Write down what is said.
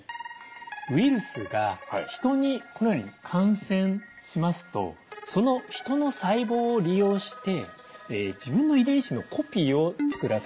ウイルスが人にこのように感染しますとその人の細胞を利用して自分の遺伝子のコピーを作らせます。